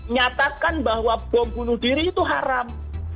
nyatakan bahwa bom bunuh diri itu haram